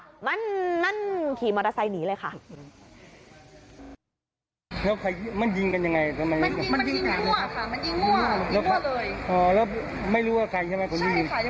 เป็นระยะหญิงที่แรกนึกว่าจุดประทัดควร